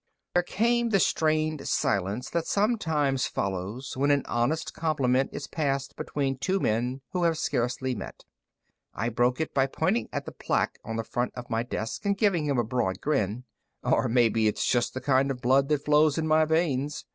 There came the strained silence that sometimes follows when an honest compliment is passed between two men who have scarcely met. I broke it by pointing at the plaque on the front of my desk and giving him a broad grin. "Or maybe it's just the kind of blood that flows in my veins."